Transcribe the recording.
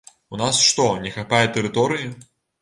У нас што, не хапае тэрыторыі?